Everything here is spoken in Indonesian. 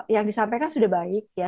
yang disampaikan sudah baik